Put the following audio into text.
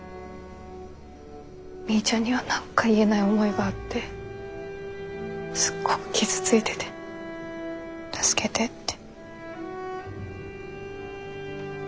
みーちゃんには何か言えない思いがあってすっごく傷ついてて助けてって。